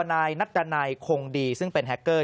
นายนัดดันัยคงดีซึ่งเป็นแฮคเกอร์